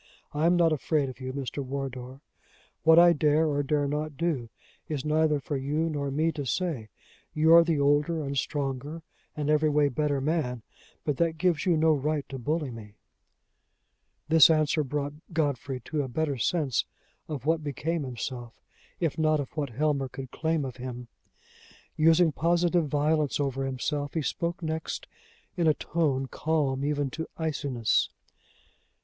I am not afraid of you, Mr. Wardour. What I dare or dare not do, is neither for you nor me to say. You are the older and stronger and every way better man, but that gives you no right to bully me." This answer brought Godfrey to a better sense of what became himself, if not of what Helmer could claim of him. Using positive violence over himself, he spoke next in a tone calm even to iciness.